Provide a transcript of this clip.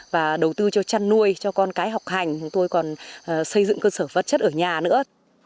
và đầu tư cho chăn nuôi cho con cái học hành chúng tôi còn xây dựng cơ sở vật chất ở nhà nữa